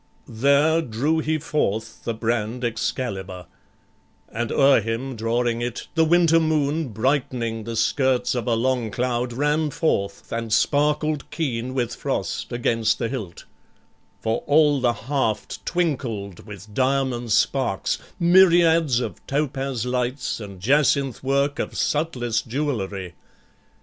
There drew he forth the brand Excalibur, And o'er him, drawing it, the winter moon, Brightening the skirts of a long cloud, ran forth And sparkled keen with frost against the hilt: For all the haft twinkled with diamond sparks, Myriads of topaz lights, and jacinth work Of subtlest jewellery.